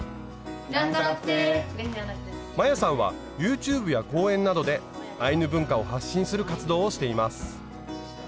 摩耶さんはＹｏｕｔｕｂｅや講演などでアイヌ文化を発信する活動をしています。